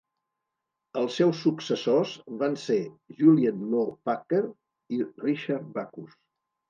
Els seus successors van ser Juliet Law Packer i Richard Backus.